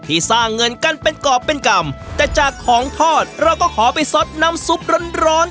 สร้างเงินกันเป็นกรอบเป็นกรรมแต่จากของทอดเราก็ขอไปซดน้ำซุปร้อนร้อน